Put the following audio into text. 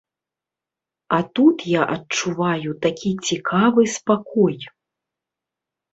А тут я адчуваю такі цікавы спакой.